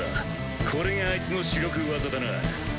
これがあいつの主力技だな。